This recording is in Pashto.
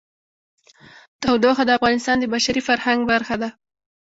تودوخه د افغانستان د بشري فرهنګ برخه ده.